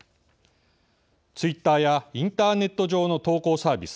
ツイッターやインターネット上の投稿サービス